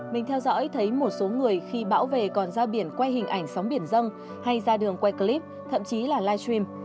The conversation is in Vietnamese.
mình theo dõi thấy một số người khi bão về còn ra biển quay hình ảnh sóng biển dân hay ra đường quay clip thậm chí là live stream